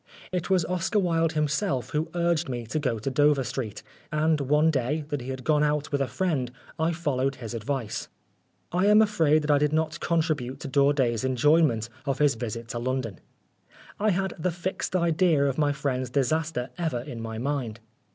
It was Oscar Wilde himself who urged me to go to Dover Street, and one day, that he had gone out with a friend, I followed his advice. I am afraid that I did not contribute to Daudet's enjoyment of his visit to London. I had the fixed idea of my friend's disaster ever in my mind.